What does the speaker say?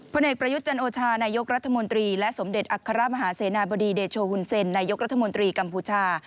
เอกประยุทธ์จันโอชานายกรัฐมนตรีและสมเด็จอัครมหาเสนาบดีเดโชหุ่นเซ็นนายกรัฐมนตรีกัมพูชา